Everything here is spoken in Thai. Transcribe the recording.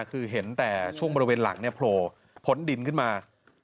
คือเห็นแต่ช่วงบริเวณหลังโผลดผลดินขึ้นมา